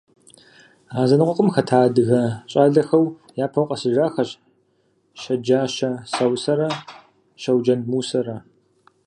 А зэныкъуэкъум хэта адыгэ щӏалэхэу япэу къэсыжахэщ Щэджащэ Сэусэррэ Щэуджэн Мусэрэ.